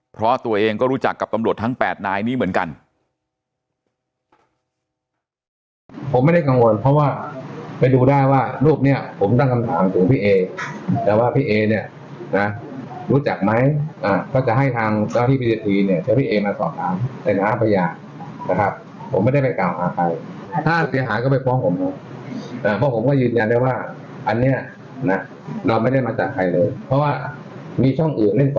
เพราะตัวเองก็รู้จักกับตำรวจทั้ง๘นายนี้เหมือนกัน